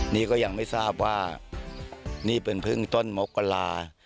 นี่ก็ยังไม่ทราบว่านี่เป็นพึ่งต้นมกรา